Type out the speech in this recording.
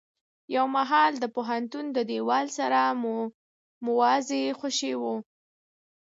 يو مهال د پوهنتون د دېوال سره موازي خوشې و.